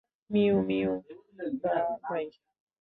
Mu, মিউ, বা-বাই।